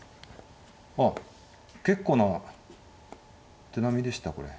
あ結構な手並みでしたこれ。